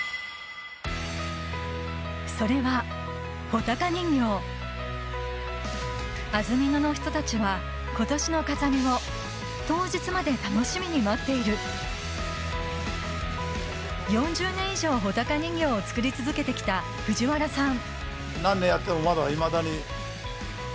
それは安曇野の人たちは今年の飾りを当日まで楽しみに待っている４０年以上穂高人形を作り続けて来た藤原さん